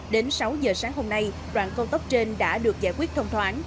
đến sáu giờ sáng hôm nay đoạn cao tốc trên đã được giải quyết thông thoáng